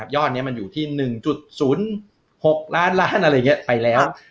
ยอดนี้อยู่ที่๑๐๖ล้านล้านไปแล้ว